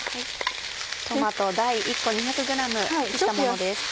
トマト大１個２００ｇ切ったものです。